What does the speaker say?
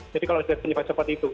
jadi kalau jadi penyebab seperti itu